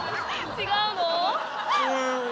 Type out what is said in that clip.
違うのね。